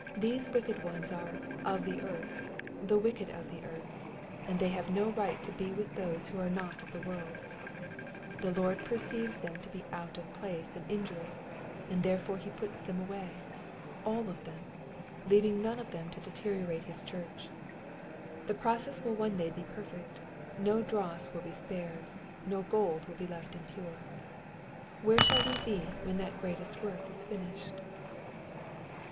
These wicked ones are of the earth,'' — *'the wicked of the earth," and they have no right to be with those who are not of the world ; the Lord perceives them to be out of place and injurious, and there fore he puts them away, cUl of them, leaving none of them to deteriorate his church. The process will one day be perfect ; no dross will be spared, no gold will be left impure. Where shall we be when that great work is finished